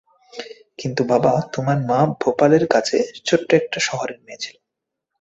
কিন্তু বাবা, তোমার মা ভোপালের কাছে ছোট্ট একটি শহরের মেয়ে ছিলো।